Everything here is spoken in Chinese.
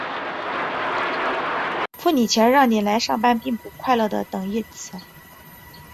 付你钱让你来上班并不快乐的等义词。